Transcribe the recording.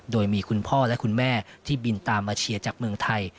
โดยมีคุณพ่อและคุณแม่ที่บินตามมาเชียร์จากเมืองไทย